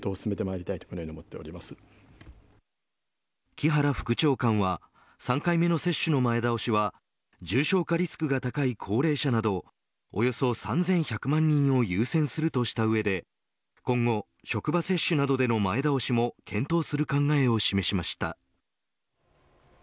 木原副長官は３回目の接種の前倒しは重症化リスクが高い高齢者などおよそ３１００万人を優先するとした上で今後、職場接種などでの前倒しも検討する考えを示しました。